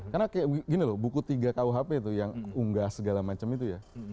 karena kayak gini loh buku tiga kuhp itu yang unggah segala macam itu ya